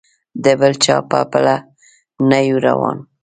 د بل چا په پله نه یو روان.